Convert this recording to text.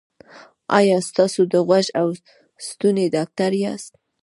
ایا تاسو د غوږ او ستوني ډاکټر یاست؟